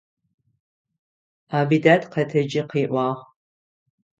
Абидат къэтэджи къыӏуагъ.